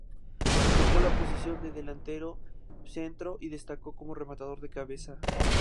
Ocupó la posición de delantero centro y destacó como rematador de cabeza.